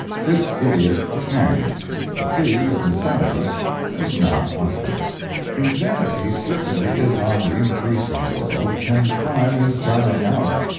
This idiot was hanged. The plea of insanity was not offered. Insanity certainly is on the increase in the world, and crime is dying out.